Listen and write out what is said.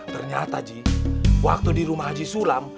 ternyata ji waktu di rumah haji sulam